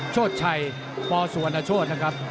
โชดชัยปอสวนชดนะครับ